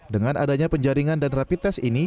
dengan adanya penjaringan dan rapid test ini